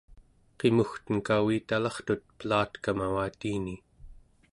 qimugtenka uitalartut pelatekam avatiini